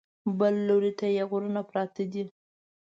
بل لوري ته یې غرونه پراته دي.